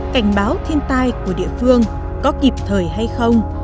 cảnh báo thiên tai của địa phương có kịp thời hay không